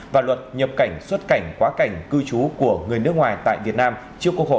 và luật nhập cảnh xuất cảnh quá cảnh cư trú của người nước ngoài tại việt nam trước quốc hội